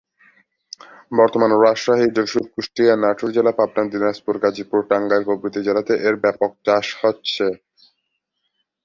বর্তমানে রাজশাহী, যশোর, কুষ্টিয়া, নাটোর জেলা, পাবনা, দিনাজপুর, গাজীপুর, টাংগাইল প্রভৃতি জেলাতে এর ব্যাপক চাষ হচ্ছে।